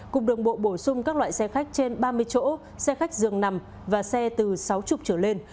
cục đường bộ bổ sung các loại xe khách trên ba mươi chỗ xe khách dường nằm và xe từ sáu mươi trở lên